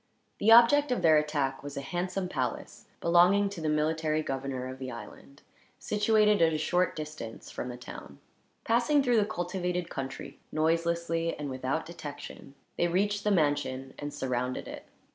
The object of their attack was a handsome palace, belonging to the military governor of the island, situated at a short distance from the town. Passing through the cultivated country, noiselessly and without detection, they reached the mansion and surrounded it.